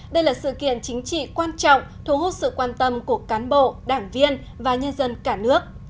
đây là sự kiện chính trị quan trọng thu hút sự quan tâm của cán bộ đảng viên và nhân dân cả nước